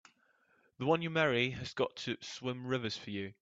The one you marry has got to swim rivers for you!